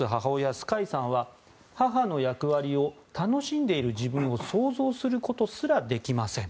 スカイさんは母の役割を楽しんでいる自分を想像することすらできません。